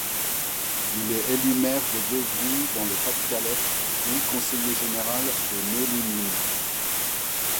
Il est élu maire de Beuvry dans le Pas-de-Calais puis conseiller général de Nœux-les-Mines.